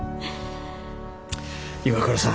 岩倉さん